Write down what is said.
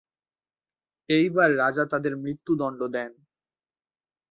এইবার রাজা তাদের মৃত্যুদণ্ড দেন।